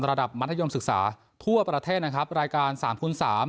ระดับมัธยมศึกษาทั่วประเทศนะครับรายการ๓คูณ๓